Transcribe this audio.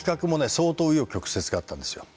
相当う余曲折があったんですよ。